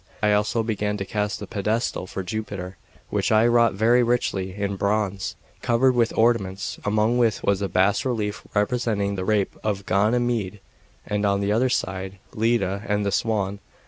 I also began to cast the pedestal for Jupiter, which I wrought very richly in bronze, covered with ornaments, among which was a bas relief, representing the rape of Ganymede, and on the other side Leda and the Swan.